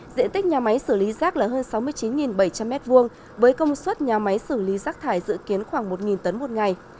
diện tích nhà máy xử lý rác là hơn sáu mươi chín bảy trăm linh m hai với công suất nhà máy xử lý rác thải dự kiến khoảng một tấn một ngày